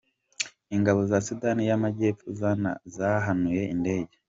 Ingabo za Sudani y’Amajyepfo zahanuye indege